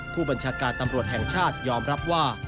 ผู้บัญชาการตำรวจแห่งชาติยอมรับว่า